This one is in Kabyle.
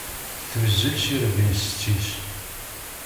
Tuzzel s irebbi n setti-s.